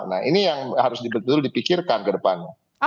nah ini yang harus betul betul dipikirkan ke depannya